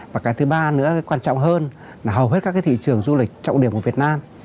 và cái thứ ba nữa quan trọng hơn là hầu hết các cái thị trường du lịch trọng điểm của việt nam